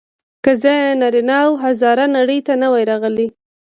که زه نارینه او هزاره نړۍ ته نه وای راغلی.